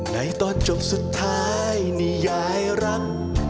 ในตอนจบสุดท้ายนี่ยายรัก